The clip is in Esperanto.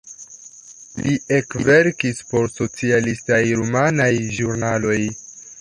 Li ekverkis por socialistaj rumanaj ĵurnaloj.